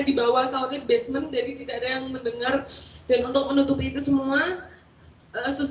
dibawa sama basement jadi tidak ada yang mendengar dan untuk menutupi itu semua asus